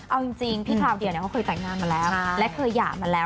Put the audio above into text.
เอาจริงพี่คราวเดียเนี่ยเขาเคยแต่งงานมาแล้วและเคยหย่ามาแล้ว